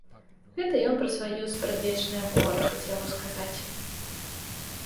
Гэта ён пра сваё спрадвечнае гора хацеў расказаць.